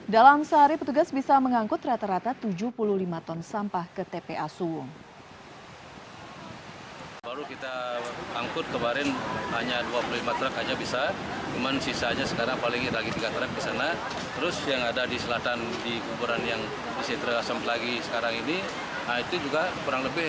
dalam sehari petugas bisa mengangkut rata rata tujuh puluh lima ton sampah ke tpa suung